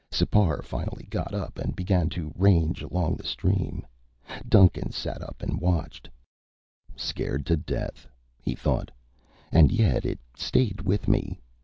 Sipar finally got up and began to range along the stream. Duncan sat up and watched. Scared to death, he thought, and yet it stayed with me.